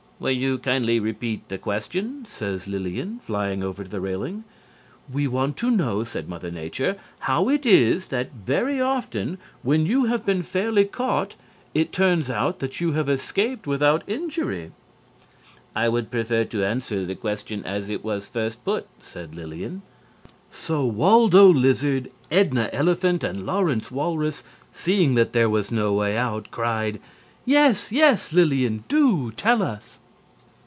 "Will you kindly repeat the question?" said Lillian flying over to the railing. "We want to know," said Mother Nature, "how it is that very often, when you have been fairly caught, it turns out that you have escaped without injury." "I would prefer to answer the question as it was first put," said Lillian. So Waldo Lizard, Edna Elephant and Lawrence Walrus, seeing that there was no way out, cried: "Yes, yes, Lillian, do tell us."